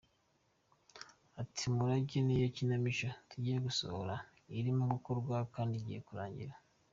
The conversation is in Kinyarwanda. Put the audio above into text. Ati “Umurage niyo kinamico tugiye gusohora, irimo gukorwa kandi igiye kurangira.